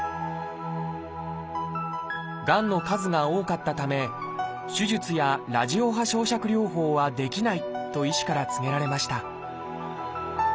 がんの数が多かったため手術やラジオ波焼灼療法はできないと医師から告げられました